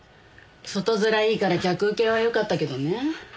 外面いいから客ウケはよかったけどね。